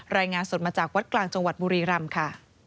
รายงานสดมาจากวัดกลางจังหวัดบุรีรำค่ะ